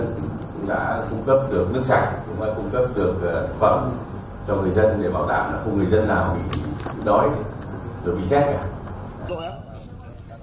cũng đã cung cấp được nước sạch cũng đã cung cấp được phẩm cho người dân để bảo đảm là không người dân nào bị đói được bị chết cả